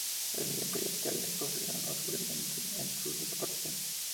El imperio que había construido no sobrevivió a su desaparición.